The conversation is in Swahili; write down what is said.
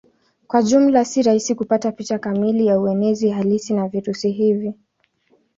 Kwa jumla si rahisi kupata picha kamili ya uenezi halisi wa virusi hivi.